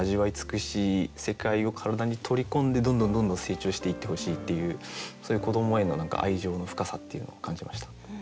世界を体に取り込んでどんどんどんどん成長していってほしいっていうそういう子どもへの何か愛情の深さっていうのを感じました。